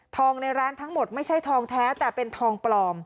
ในร้านทั้งหมดไม่ใช่ทองแท้แต่เป็นทองปลอม